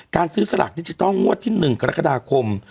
การซื้อสลากดิจิทัลงวดที่๑กรกฎาคม